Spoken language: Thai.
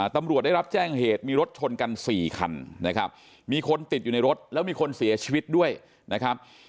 ตำรวจได้รับแจ้งเหตุมีรถชนกัน๔คันนะครับมีคนติดอยู่ในรถแล้วมีคนเสียชีวิตด้วยนะครับ